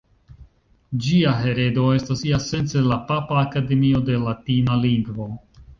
Ĝia heredo estas iasence la Papa Akademio de Latina Lingvo.